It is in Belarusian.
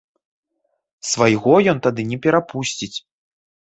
Свайго ён тады не перапусціць.